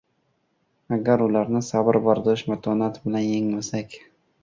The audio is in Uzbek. Agar ularni sabr-bardosh, matonat bilan yengmasak